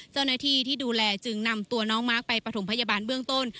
เจ้าหน้าที่ที่ดูแลจึงนำตัวน้องมาร์คไปประถมพยาบาลเบื้องต้น